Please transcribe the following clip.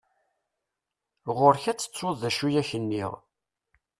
Ɣur-k ad tettuḍ d acu i ak-nniɣ.